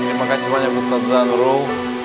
terima kasih banyak ustaz zanrul